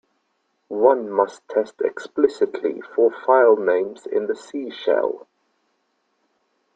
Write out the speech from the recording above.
One must test explicitly for file names in the C shell.